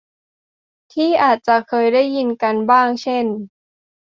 ที่อาจะเคยได้ยินกันบ้างเช่น